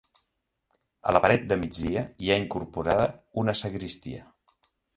A la paret de migdia hi ha incorporada una sagristia.